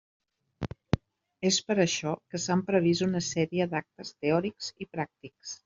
És per això que s'han previst una sèrie d'actes teòrics i pràctics.